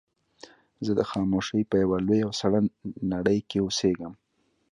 زه د خاموشۍ په يوه لويه او سړه نړۍ کې اوسېږم.